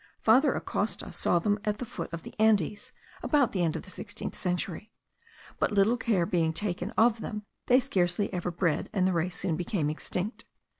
Father Acosta saw them at the foot of the Andes, about the end of the sixteenth century; but little care being taken of them, they scarcely ever bred, and the race soon became extinct.